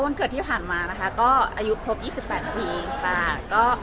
วันเกิดที่ผ่านมานะคะก็อายุครบ๒๘ปีค่ะ